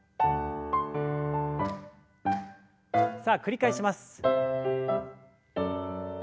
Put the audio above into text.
さあ繰り返します。